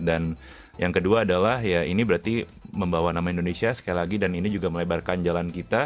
dan yang kedua adalah ya ini berarti membawa nama indonesia sekali lagi dan ini juga melebarkan jalan kita